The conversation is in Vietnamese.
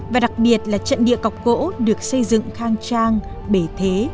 và đặc biệt là trận địa cọc gỗ được xây dựng khang trang bể thế